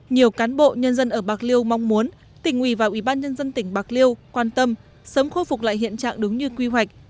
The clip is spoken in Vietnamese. nhiều cán bộ nhân dân ở bạc liêu mong muốn tỉnh ủy và ủy ban nhân dân tỉnh bạc liêu quan tâm sớm khôi phục lại hiện trạng đúng như quy hoạch